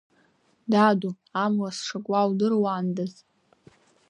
Даду, амла сшакуа удыруандаз!